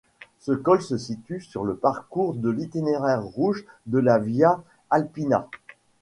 Ce col se situe sur le parcours de l'itinéraire rouge de la Via Alpina.